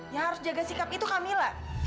yang harus jaga sikap itu kak mila